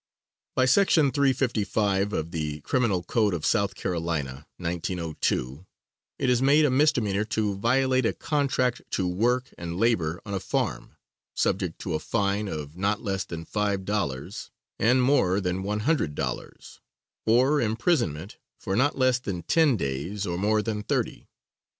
By section 355, of the Criminal Code of South Carolina, 1902, it is made a misdemeanor to violate a contract to work and labor on a farm, subject to a fine of not less than five dollars, and more than one hundred dollars, or imprisonment for not less than ten days, or more than thirty.